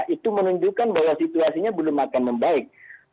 itu menunjukkan bahwa situasinya belum akan membaik